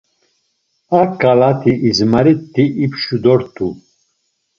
A ǩalati izmarit̆i ipşu dort̆u.